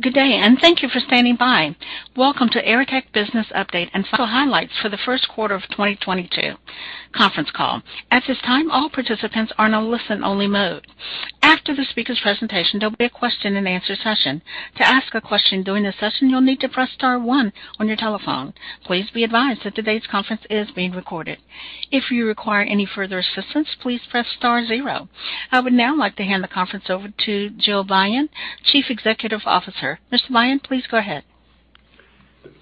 Good day, and thank you for standing by. Welcome to Erytech Business Update and Financial Highlights for the first quarter of 2022 conference call. At this time, all participants are in a listen-only mode. After the speaker's presentation, there'll be a question and answer session. To ask a question during the session, you'll need to press star one on your telephone. Please be advised that today's conference is being recorded. If you require any further assistance, please press star zero. I would now like to hand the conference over to Gil Beyen, Chief Executive Officer. Mr. Beyen, please go ahead.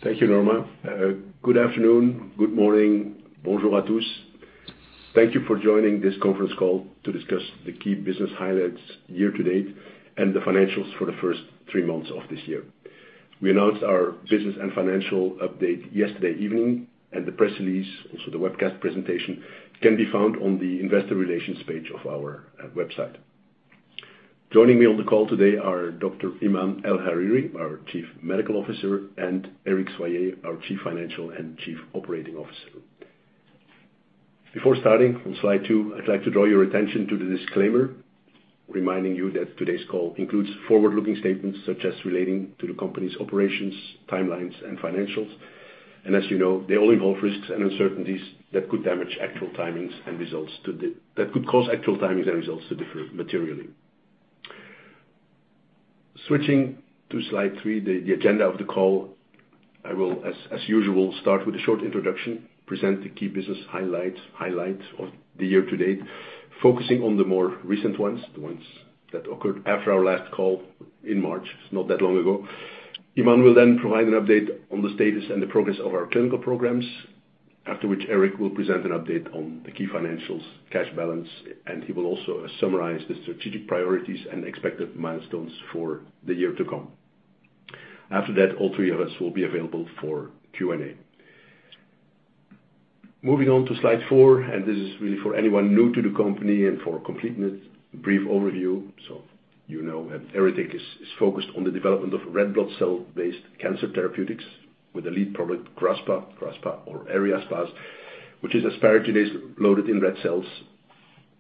Thank you, Norma. Good afternoon, good morning. Bonjour à tous. Thank you for joining this conference call to discuss the key business highlights, year-to-date and the financials for the first three months of this year. We announced our business and financial update yesterday evening, and the press release, also the webcast presentation, can be found on the investor relations page of our website. Joining me on the call today are Dr. Iman El-Hariry, our Chief Medical Officer, and Eric Soyer, our Chief Financial and Chief Operating Officer. Before starting on slide two, I'd like to draw your attention to the disclaimer, reminding you that today's call includes forward-looking statements, such as relating to the company's operations, timelines, and financials. As you know, they all involve risks and uncertainties that could cause actual timings and results to differ materially. Switching to slide three, the agenda of the call. I will, as usual, start with a short introduction, present the key business highlights of the year to date, focusing on the more recent ones, the ones that occurred after our last call in March. It's not that long ago. Iman will then provide an update on the status and the progress of our clinical programs. After which, Eric will present an update on the key financials, cash balance, and he will also summarize the strategic priorities and expected milestones for the year to come. After that, all three of us will be available for Q&A. Moving on to slide four, and this is really for anyone new to the company and for completeness, a brief overview, so you know that Erytech is focused on the development of red blood cell-based cancer therapeutics with the lead product, Graspa. Graspa or eryaspase, which is asparaginase loaded in red cells,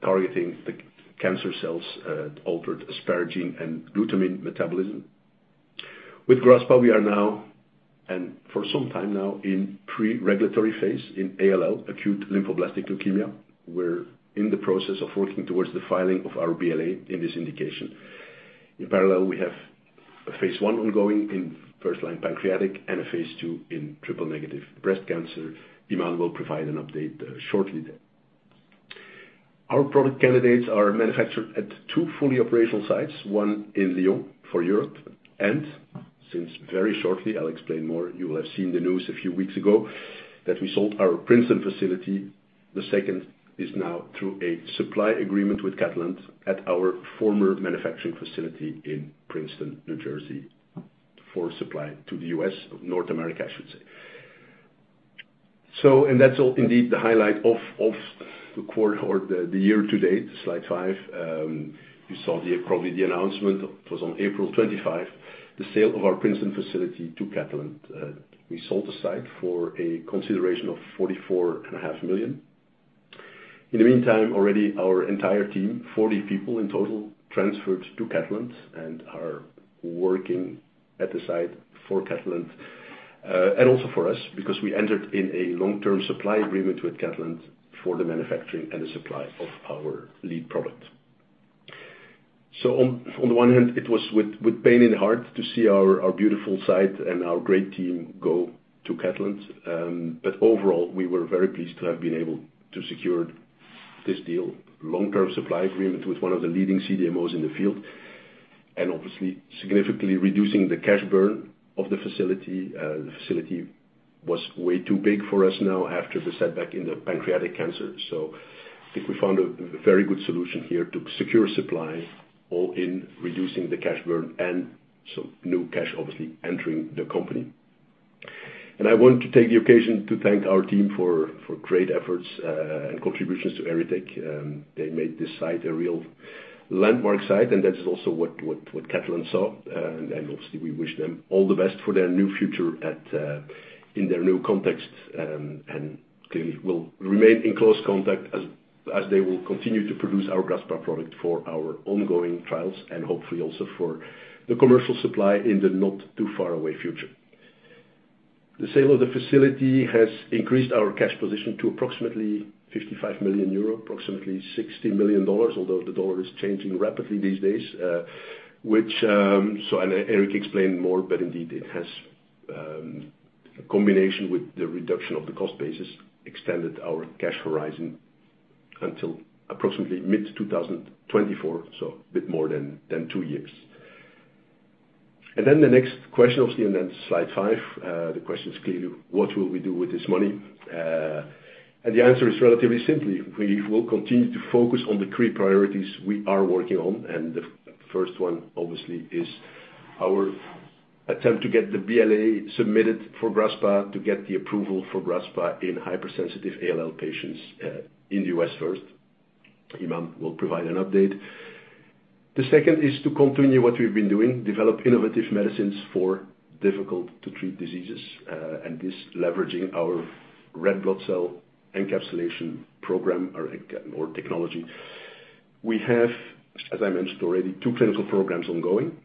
targeting the cancer cells' altered asparagine and glutamine metabolism. With Graspa, we are now, and for some time now, in pre-regulatory phase in ALL, acute lymphoblastic leukemia. We're in the process of working towards the filing of our BLA in this indication. In parallel, we have a phase 1 ongoing in first-line pancreatic and a phase 2 in triple-negative breast cancer. Iman will provide an update shortly then. Our product candidates are manufactured at two fully operational sites, one in Lyon for Europe, and since very shortly, I'll explain more, you will have seen the news a few weeks ago that we sold our Princeton facility. The second is now through a supply agreement with Catalent at our former manufacturing facility in Princeton, New Jersey, for supply to the U.S., North America, I should say. That's all indeed the highlight of the quarter or the year to date. Slide five. You saw probably the announcement. It was on April 25, the sale of our Princeton facility to Catalent. We sold the site for a consideration of 44.5 million. In the meantime, already our entire team, 40 people in total, transferred to Catalent and are working at the site for Catalent, and also for us, because we entered in a long-term supply agreement with Catalent for the manufacturing and the supply of our lead product. On the one hand, it was with pain in heart to see our beautiful site and our great team go to Catalent. Overall, we were very pleased to have been able to secure this deal, long-term supply agreement, with one of the leading CDMOs in the field, and obviously significantly reducing the cash burn of the facility. The facility was way too big for us now after the setback in the pancreatic cancer. I think we found a very good solution here to secure supply, all in reducing the cash burn and some new cash obviously entering the company. I want to take the occasion to thank our team for great efforts and contributions to Erytech. They made this site a real landmark site, and that is also what Catalent saw. Obviously, we wish them all the best for their new future in their new context. Clearly we'll remain in close contact as they will continue to produce our Graspa product for our ongoing trials and hopefully also for the commercial supply in the not too far away future. The sale of the facility has increased our cash position to approximately 55 million euro, approximately $60 million, although the dollar is changing rapidly these days. Which, so and Eric explained more, but indeed it has, in combination with the reduction of the cost basis, extended our cash horizon until approximately mid-2024, so a bit more than two years. Then the next question, obviously, then slide five. The question is clearly, what will we do with this money? The answer is relatively simple. We will continue to focus on the key priorities we are working on. The first one, obviously, is our attempt to get the BLA submitted for Graspa, to get the approval for Graspa in hypersensitive ALL patients, in the US first. Iman will provide an update. The second is to continue what we've been doing, develop innovative medicines for difficult-to-treat diseases, and this leveraging our red blood cell encapsulation program or technology. We have, as I mentioned already, two clinical programs ongoing.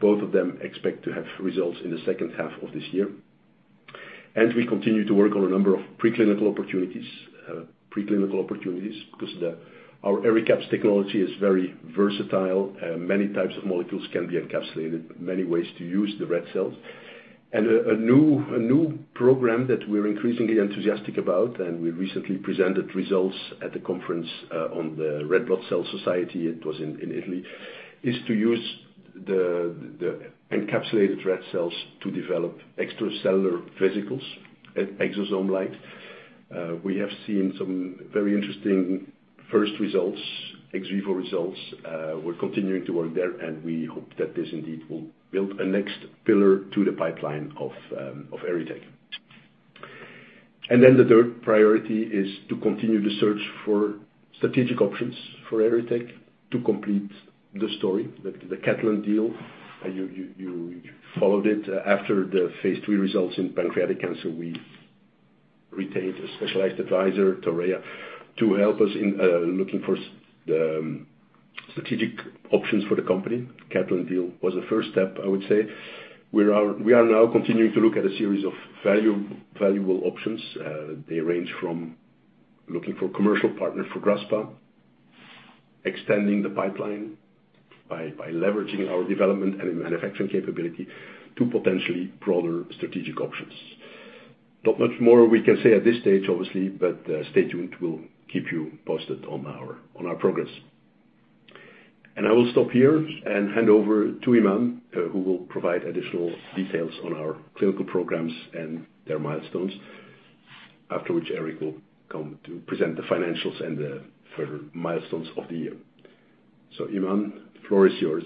Both of them expect to have results in the second half of this year, and we continue to work on a number of preclinical opportunities, because our ERYCAPS® technology is very versatile. Many types of molecules can be encapsulated, many ways to use the red cells. A new program that we're increasingly enthusiastic about, we recently presented results at the conference on the European Red Cell Society, it was in Italy, is to use the encapsulated red cells to develop extracellular vesicles, exosome-like. We have seen some very interesting first results, ex vivo results. We're continuing to work there, and we hope that this indeed will build a next pillar to the pipeline of Erytech. Then the third priority is to continue the search for strategic options for Erytech to complete the story. The Catalent deal, you followed it. After the phase three results in pancreatic cancer, we retained a specialized advisor, Torreya, to help us in looking for the strategic options for the company. Catalent deal was the first step, I would say. We are now continuing to look at a series of valuable options. They range from looking for a commercial partner for Graspa, extending the pipeline by leveraging our development and manufacturing capability to potentially broader strategic options. Not much more we can say at this stage, obviously, but stay tuned. We'll keep you posted on our progress. I will stop here and hand over to Iman, who will provide additional details on our clinical programs and their milestones, after which Eric will come to present the financials and the further milestones of the year. Iman, the floor is yours.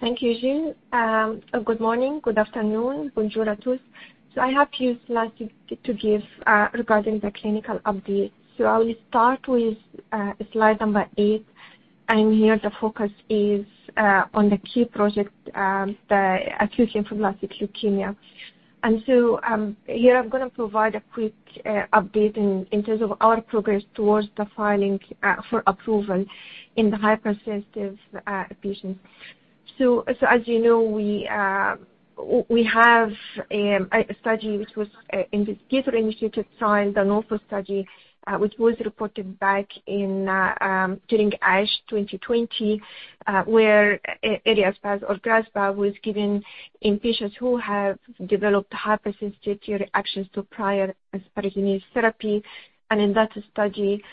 Thank you, Jean. Good morning, good afternoon, bonjour à tous. I have a few slides to give regarding the clinical update. I will start with slide number eight, and here the focus is, on the key project, the Acute Lymphoblastic Leukemia. Here I'm gonna provide a quick update in terms of our progress towards the filing for approval in the hypersensitive patients. As you know, we have a study which was investigator-initiated trial, an IST study, which was reported back in during ASH 2020, where eryaspase or Graspa was given in patients who have developed hypersensitivity reactions to prior asparaginase therapy. In that study,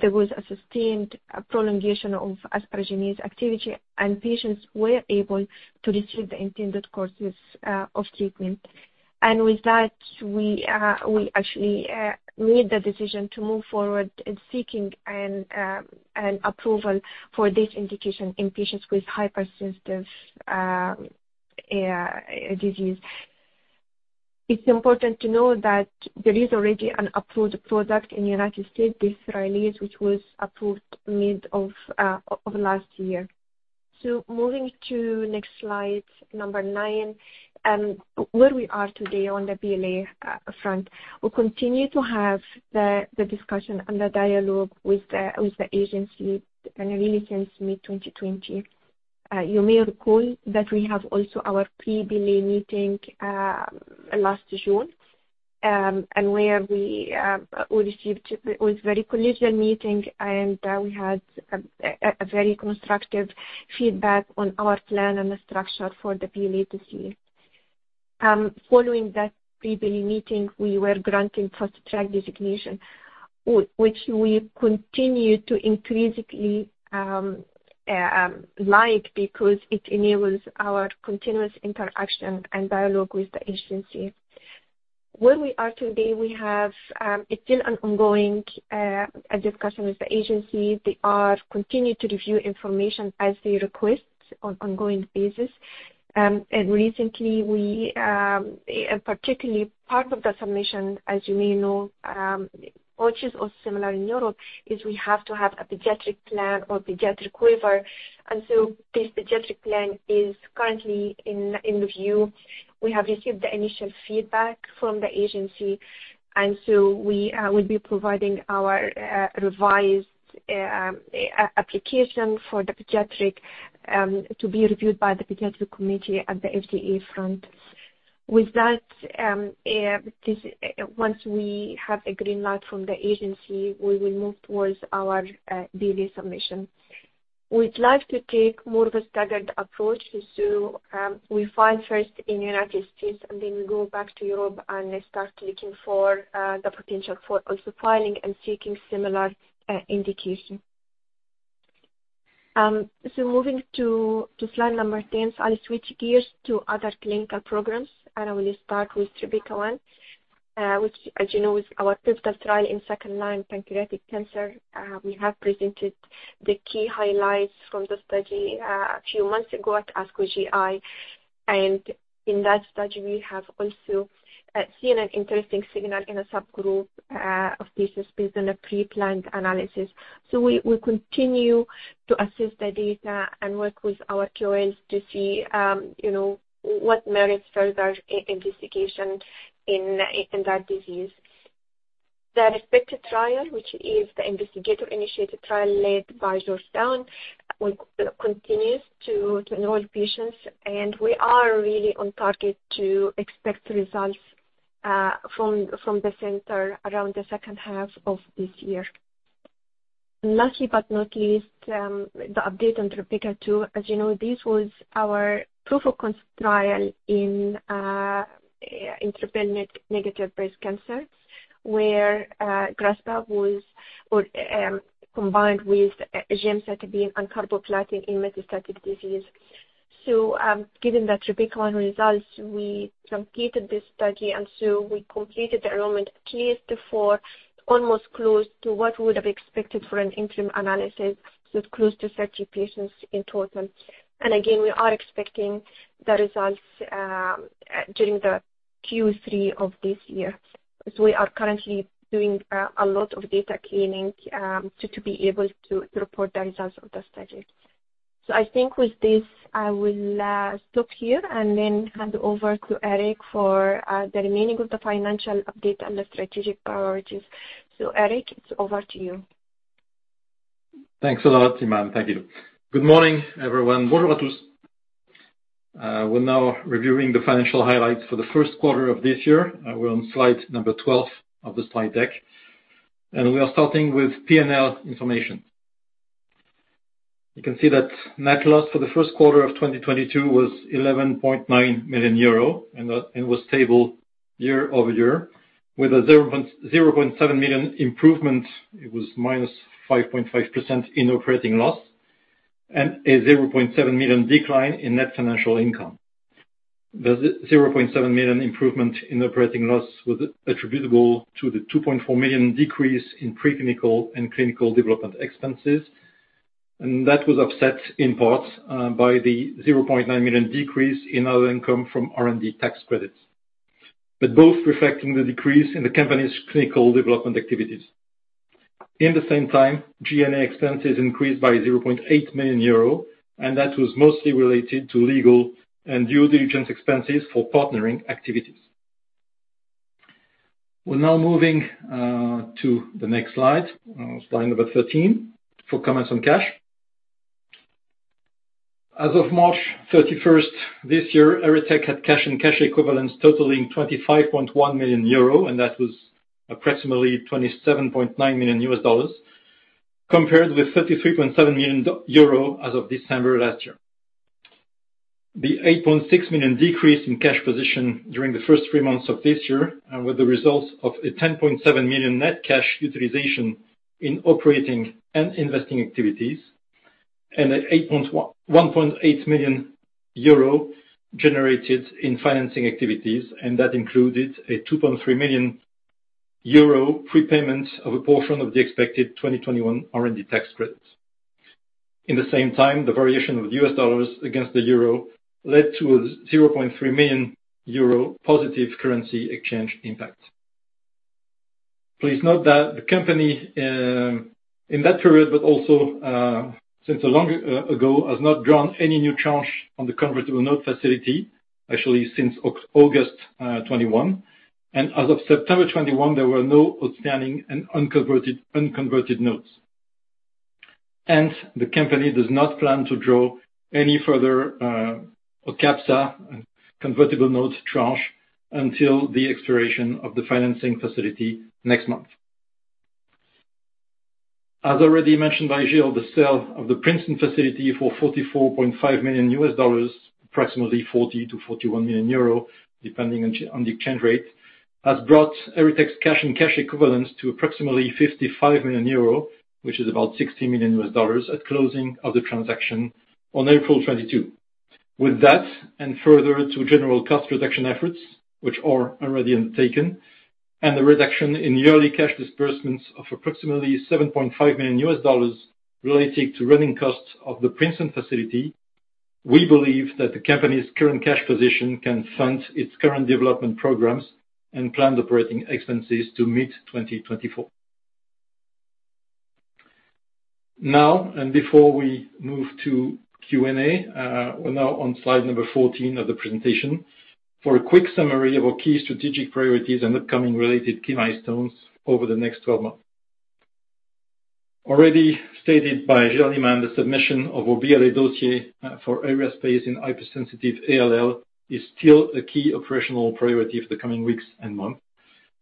there was a sustained prolongation of asparaginase activity, and patients were able to receive the intended courses of treatment. With that, we actually made the decision to move forward in seeking an approval for this indication in patients with hypersensitivity. It's important to know that there is already an approved product in the United States, Rylaze, which was approved mid of last year. Moving to next slide, number 9, where we are today on the BLA front. We'll continue to have the discussion and the dialogue with the agency and really since mid-2020. You may recall that we have also our pre-BLA meeting last June, and where we received. It was a very collegial meeting and we had a very constructive feedback on our plan and the structure for the BLA this year. Following that pre-BLA meeting, we were granted Fast Track designation, which we continue to increasingly like because it enables our continuous interaction and dialogue with the agency. Where we are today, it's still an ongoing discussion with the agency. They are continuing to review information as they request on an ongoing basis. Recently a particular part of the submission, as you may know, which is also similar in Europe, is we have to have a pediatric plan or pediatric waiver. This pediatric plan is currently in review. We have received the initial feedback from the agency, and so we will be providing our revised application for the pediatric to be reviewed by the pediatric committee at the FDA front. With that, once we have a green light from the agency, we will move towards our BLA submission. We'd like to take more of a staggered approach, and so we file first in United States, and then we go back to Europe and start looking for the potential for also filing and seeking similar indication. Moving to slide number 10. I'll switch gears to other clinical programs, and I will start with TRYbeCA-1, which as you know is our pivotal trial in second-line pancreatic cancer. We have presented the key highlights from the study a few months ago at ASCO GI. In that study, we have also seen an interesting signal in a subgroup of patients based on a pre-planned analysis. We continue to assess the data and work with our CROs to see, you know, what merits further investigation in that disease. The RESPECT trial, which is the investigator-initiated trial led by Georgetown, continues to enroll patients, and we are really on target to expect results from the center around the second half of this year. Last but not least, the update on TRYBECA-2. As you know, this was our proof-of-concept trial in triple-negative breast cancer, where Graspa was combined with gemcitabine and carboplatin in metastatic disease. Given the TRYBECA-1 results, we completed this study, and so we completed the enrollment at phase 2/4, almost close to what we would have expected for an interim analysis, so it's close to 30 patients in total. Again, we are expecting the results during the Q3 of this year, as we are currently doing a lot of data cleaning to be able to report the results of the study. I think with this, I will stop here and then hand over to Eric for the remaining of the financial update and the strategic priorities. Eric, it's over to you. Thanks a lot, Iman. Thank you. Good morning, everyone. Bonjour à tous. We're now reviewing the financial highlights for the first quarter of this year. We're on slide number 12 of the slide deck, and we are starting with P&L information. You can see that net loss for the first quarter of 2022 was 11.9 million euro, and it was stable year-over-year with a 0.7 million improvement. It was -5.5% in operating loss and a 0.7 million decline in net financial income. The 0.7 million improvement in operating loss was attributable to the 2.4 million decrease in pre-clinical and clinical development expenses. That was offset in part by the 0.9 million decrease in other income from R&D tax credits, but both reflecting the decrease in the company's clinical development activities. In the same time, G&A expenses increased by 0.8 million euro, and that was mostly related to legal and due diligence expenses for partnering activities. We're now moving to the next slide number 13, for comments on cash. As of March 31 this year, Erytech had cash and cash equivalents totaling 25.1 million euro, and that was approximately $27.9 million, compared with 33.7 million euro as of December last year. The 8.6 million decrease in cash position during the first three months of this year, with the results of a 10.7 million net cash utilization in operating and investing activities and a 1.8 million euro generated in financing activities, and that included a 2.3 million euro prepayment of a portion of the expected 2021 R&D tax credits. In the same time, the variation of US dollars against the euro led to a 0.3 million euro positive currency exchange impact. Please note that the company, in that period, but also, since a long ago, has not drawn any new tranche on the convertible note facility, actually since August 2021. As of September 2021, there were no outstanding and unconverted notes. Hence, the company does not plan to draw any further or OCABSA convertible notes tranche until the expiration of the financing facility next month. As already mentioned by Gil, the sale of the Princeton facility for $44.5 million, approximately 40 million to 41 million euro, depending on the exchange rate, has brought Erytech's cash and cash equivalents to approximately 55 million euro, which is about $60 million, at closing of the transaction on April 22. With that, and further to general cost reduction efforts, which are already undertaken, and the reduction in yearly cash disbursements of approximately $7.5 million related to running costs of the Princeton facility, we believe that the company's current cash position can fund its current development programs and planned operating expenses to mid-2024. Now before we move to Q&A, we're now on slide number 14 of the presentation, for a quick summary of our key strategic priorities and upcoming related key milestones over the next 12 months. Already stated by Gil and Iman, the submission of our BLA dossier for eryaspase in hypersensitive ALL is still a key operational priority for the coming weeks and months.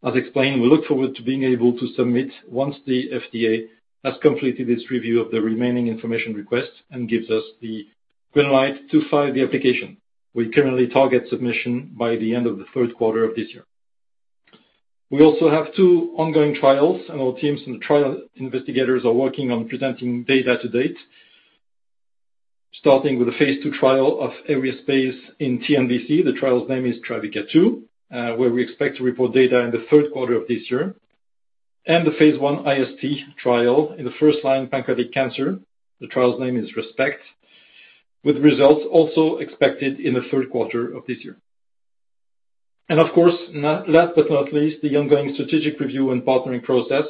As explained, we look forward to being able to submit once the FDA has completed its review of the remaining information requests and gives us the green light to file the application. We currently target submission by the end of the third quarter of this year. We also have two ongoing trials, and our teams and the trial investigators are working on presenting data to date, starting with the phase two trial of eryaspase in TNBC. The trial's name is TRYBECA-2, where we expect to report data in the third quarter of this year. The phase I IST trial in the first-line pancreatic cancer. The trial's name is RESPECT, with results also expected in the third quarter of this year. Of course, not least, the ongoing strategic review and partnering process.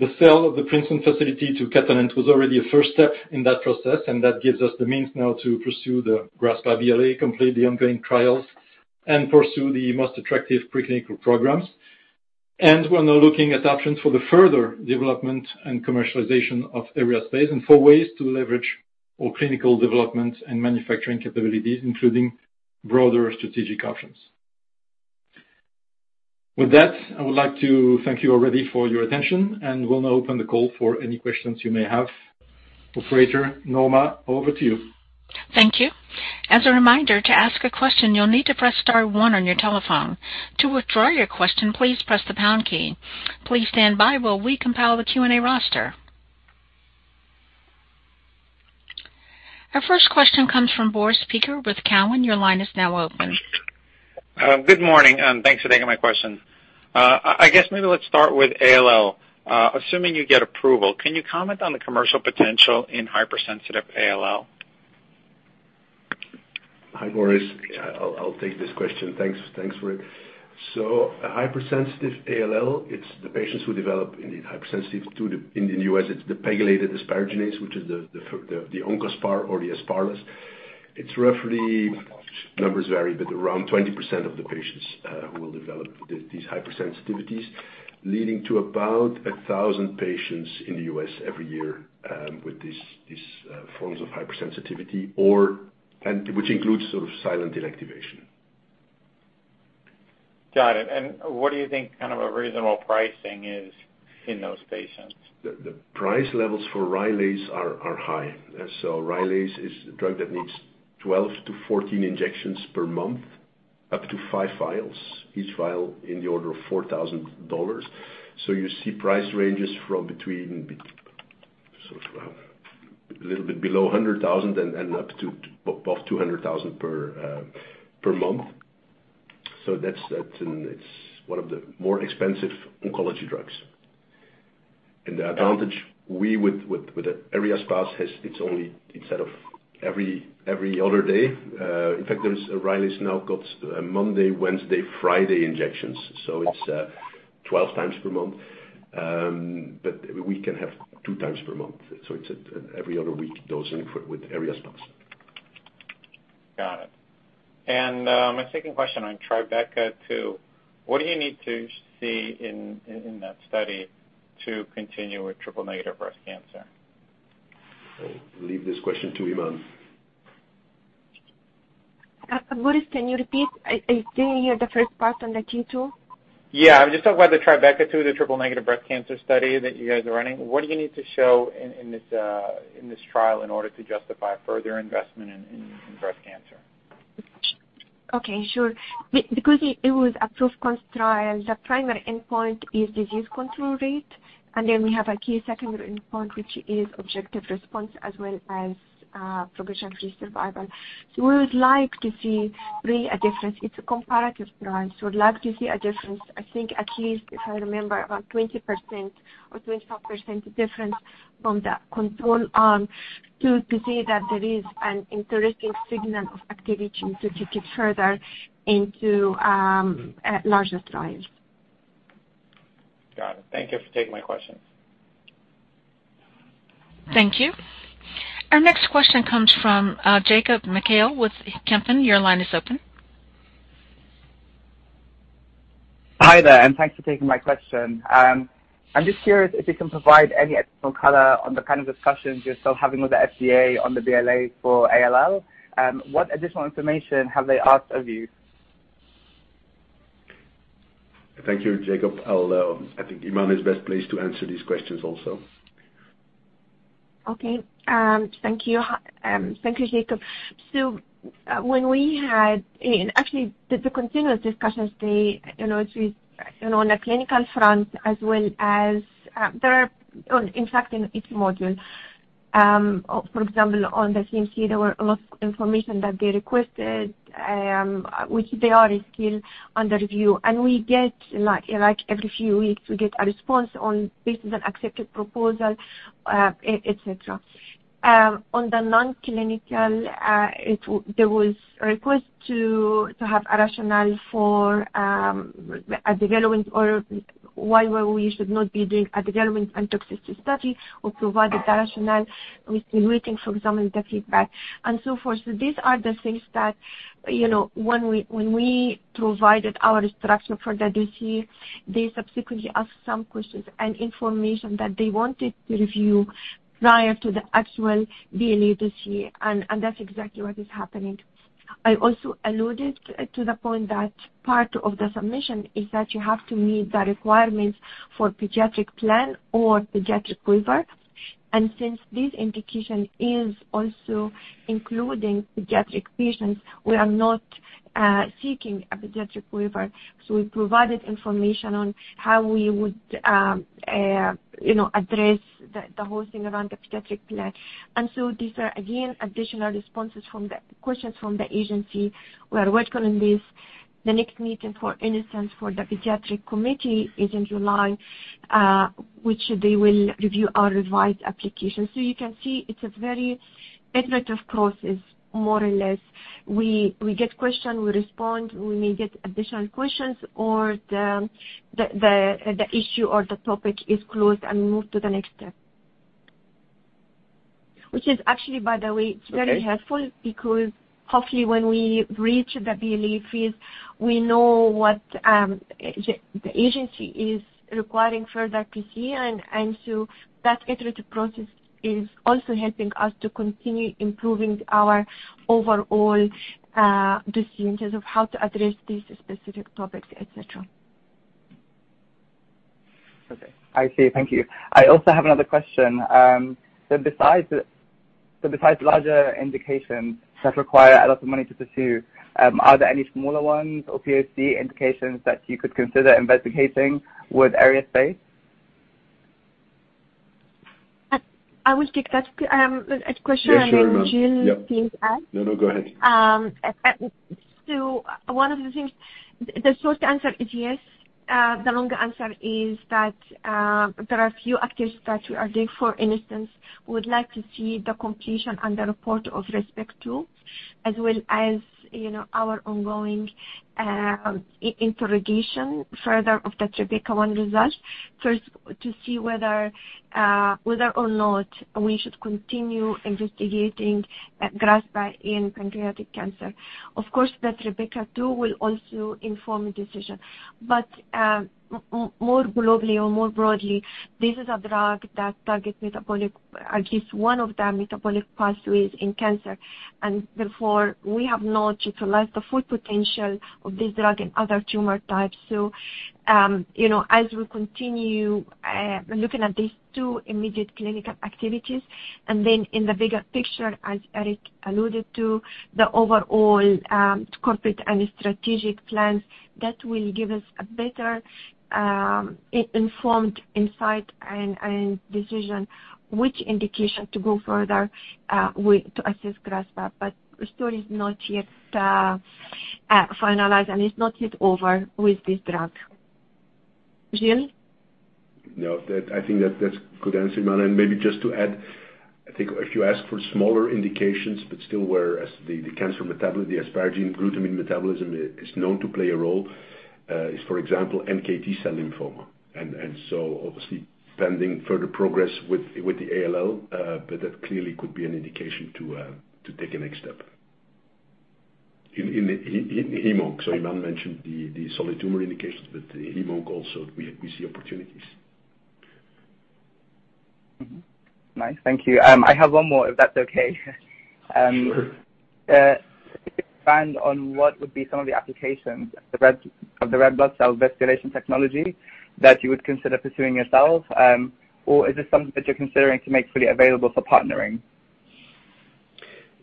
The sale of the Princeton facility to Catalent was already a first step in that process, and that gives us the means now to pursue the Graspa BLA, complete the ongoing trials, and pursue the most attractive pre-clinical programs. We're now looking at options for the further development and commercialization of eryaspase and for ways to leverage our clinical development and manufacturing capabilities, including broader strategic options. With that, I would like to thank you already for your attention and we'll now open the call for any questions you may have. Operator Norma, over to you. Thank you. As a reminder, to ask a question, you'll need to press star one on your telephone. To withdraw your question, please press the pound key. Please stand by while we compile the Q&A roster. Our first question comes from Boris Peaker with Cowen. Your line is now open. Good morning, and thanks for taking my question. I guess maybe let's start with ALL. Assuming you get approval, can you comment on the commercial potential in hypersensitive ALL? Hi, Boris. I'll take this question. Thanks. Thanks for it. Hypersensitive ALL, it's the patients who develop indeed hypersensitive to the. In the U.S., it's the pegylated asparaginase, which is the Oncaspar or the Asparlas. It's roughly, numbers vary, but around 20% of the patients who will develop these hypersensitivities, leading to about 1,000 patients in the U.S. every year with these forms of hypersensitivity, and which includes sort of silent deactivation. Got it. What do you think kind of a reasonable pricing is in those patients? The price levels for Rylaze are high. Rylaze is a drug that needs 12-14 injections per month, up to 5 vials, each vial in the order of $4,000. You see price ranges from between sort of a little bit below $100,000 and up to above $200,000 per month. That's, it's one of the more expensive oncology drugs. The advantage with eryaspase has, it's only every other day. In fact, Rylaze now has Monday, Wednesday, Friday injections, so it's 12 times per month. But we can have 2 times per month. It's every other week dosing with eryaspase. Got it. My second question on TRYBECA-2. What do you need to see in that study to continue with triple-negative breast cancer? I leave this question to Iman. Boris, can you repeat? I didn't hear the first part on the TRYBECA-2. Yeah. Just about the TRYBECA-2, the triple-negative breast cancer study that you guys are running. What do you need to show in this trial in order to justify further investment in breast cancer? Okay, sure. Because it was a proof of concept trial, the primary endpoint is disease control rate, and then we have a key secondary endpoint, which is objective response as well as progression-free survival. We would like to see really a difference. It's a comparative trial, so we'd like to see a difference. I think at least, if I remember, about 20% or 25% difference from the control arm to see that there is an interesting signal of activity to take further into a larger trial. Got it. Thank you for taking my questions. Thank you. Our next question comes from Jacob Mekhael with Kempen. Your line is open. Hi there, thanks for taking my question. I'm just curious if you can provide any additional color on the kind of discussions you're still having with the FDA on the BLA for ALL. What additional information have they asked of you? Thank you, Jacob. I'll, I think Iman is best placed to answer these questions also. Okay. Thank you. Thank you, Jacob. When we had actually the continuous discussions, they you know it's and on a clinical front, as well as there are. In fact, in each module, for example, on the CMC, there were a lot of information that they requested, which they are still under review. We get, like, every few weeks, we get a response on this is an accepted proposal, et cetera. On the non-clinical, there was a request to have a rationale for a development or why we should not be doing a development and toxicity study or provide the rationale. We've been waiting for some of the feedback and so forth. These are the things that when we provided our instruction for the dossier, they subsequently asked some questions and information that they wanted to review prior to the actual BLA this year, and that's exactly what is happening. I also alluded to the point that part of the submission is that you have to meet the requirements for pediatric plan or pediatric waiver. Since this indication is also including pediatric patients, we are not seeking a pediatric waiver. We provided information on how we would address the whole thing around the pediatric plan. These are again additional responses to the questions from the agency. We are working on this. The next meeting, for instance, for the pediatric committee is in July, which they will review our revised application. You can see it's a very iterative process more or less. We get question, we respond, we may get additional questions or the issue or the topic is closed and we move to the next step. It is actually, by the way, very helpful because hopefully when we reach the BLA phase, we know what the agency is requiring further CMC and so that iterative process is also helping us to continue improving our overall decisions of how to address these specific topics, et cetera. Okay, I see. Thank you. I also have another question. Besides larger indications that require a lot of money to pursue, are there any smaller ones or POC indications that you could consider investigating with eryaspase? I will take that question. Yeah, sure. Gil can add. No, no, go ahead. The short answer is yes. The long answer is that there are a few activities that we are doing. For instance, we would like to see the completion and the report of RESPECT-2, as well as, you know, our ongoing further interrogation of the TRYBECA-1 result. First, to see whether or not we should continue investigating Graspa in pancreatic cancer. Of course, that TRYBECA-2 will also inform the decision. More globally or more broadly, this is a drug that targets metabolic, at least one of the metabolic pathways in cancer. Therefore, we have not utilized the full potential of this drug in other tumor types. you know, as we continue looking at these two immediate clinical activities, and then in the bigger picture, as Eric alluded to, the overall corporate and strategic plans, that will give us a better informed insight and decision which indication to go further with, to assist Graspa. The story is not yet finalized and is not yet over with this drug. Gil? No, I think that's a good answer, Iman. Maybe just to add, I think if you ask for smaller indications, but still whereas the cancer metabolism, the asparagine glutamine metabolism is known to play a role, is for example, NK/T-cell lymphoma. So obviously pending further progress with the ALL, but that clearly could be an indication to take a next step. In hemo. Iman mentioned the solid tumor indications, but hemo also we see opportunities. Mm-hmm. Nice. Thank you. I have one more, if that's okay. Sure. Expand on what would be some of the applications of the red blood cell vesiculation technology that you would consider pursuing yourself, or is this something that you're considering to make fully available for partnering?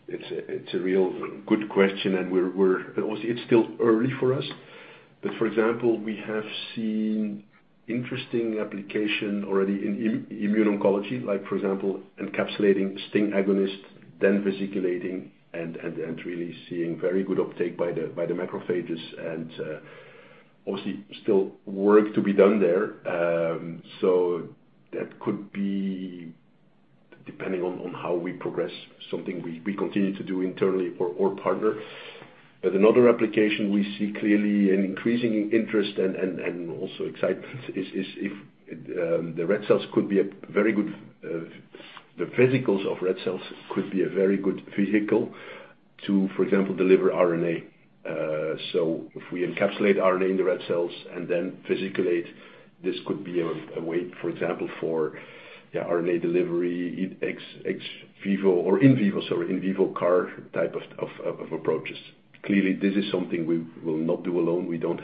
It's a real good question. Obviously, it's still early for us. For example, we have seen interesting application already in immune oncology, like for example, encapsulating STING agonist, then vesiculating and really seeing very good uptake by the macrophages and, obviously still work to be done there. That could be depending on how we progress, something we continue to do internally or partner. Another application we see clearly an increasing interest and also excitement is if the red cells could be a very good, the vesicles of red cells could be a very good vehicle to, for example, deliver RNA. If we encapsulate RNA in the red cells and then vesiculate, this could be a way, for example, for RNA delivery ex vivo or in vivo, sorry, in vivo CAR type of approaches. Clearly, this is something we will not do alone. We don't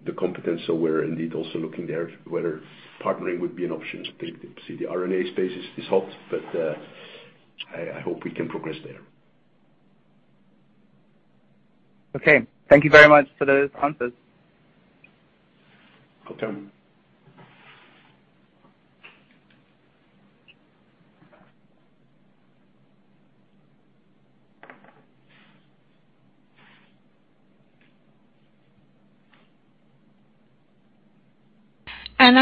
have the competence, so we're indeed also looking there whether partnering would be an option. See, the RNA space is hot, but I hope we can progress there. Okay. Thank you very much for those answers. Okay.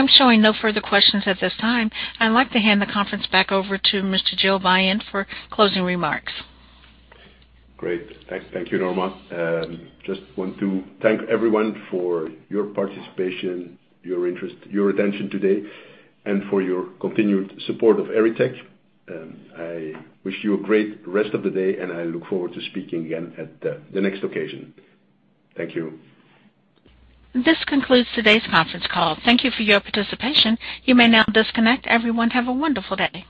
I'm showing no further questions at this time. I'd like to hand the conference back over to Mr. Gil Beyen for closing remarks. Great. Thank you, Norma. Just want to thank everyone for your participation, your interest, your attention today, and for your continued support of Erytech. I wish you a great rest of the day, and I look forward to speaking again at the next occasion. Thank you. This concludes today's conference call. Thank you for your participation. You may now disconnect. Everyone, have a wonderful day.